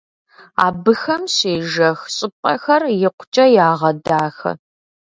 Абыхэм щежэх щӀыпӀэхэр икъукӀэ ягъэдахэ.